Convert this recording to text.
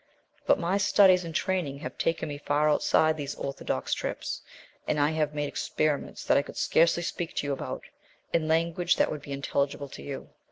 But my studies and training have taken me far outside these orthodox trips, and I have made experiments that I could scarcely speak to you about in language that would be intelligible to you."